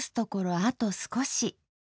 あと少し。